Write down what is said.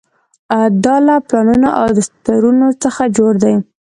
دا له پلانونو او دستورونو څخه جوړ دی.